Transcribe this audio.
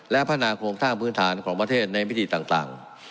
และพัฒนาโครงสร้างพื้นฐานของประเทศในวิธีต่าง